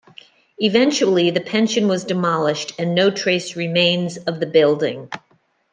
Eventually the Pension was demolished and no trace remains of the building.